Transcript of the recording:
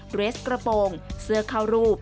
เรสกระโปรงเสื้อเข้ารูป